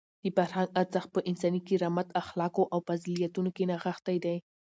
د فرهنګ ارزښت په انساني کرامت، اخلاقو او فضیلتونو کې نغښتی دی.